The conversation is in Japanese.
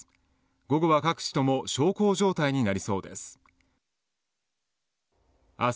午後は各地とも小康状態になりそうです。